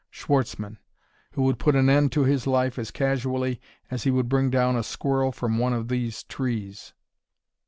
Schwartzmann who would put an end to his life as casually as he would bring down a squirrel from one of those trees!